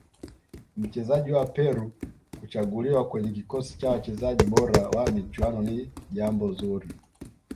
mchezaji wa peru kuchaguliwa kwenye kikosi cha wachezaji bora wa michuano ni jambo zuri